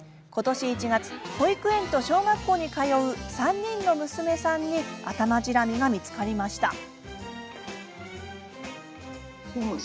ことし１月、保育園と小学校に通う３人の娘さんにアタマジラミが見つかりました。